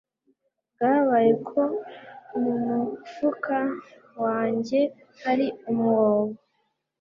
Byabaye ko mu mufuka wanjye hari umwobo